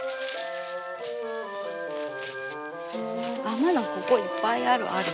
まだここいっぱいあるある。